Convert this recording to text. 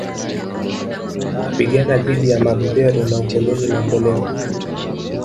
kupigana dhidi ya mabeberu na ukoloni mamboleo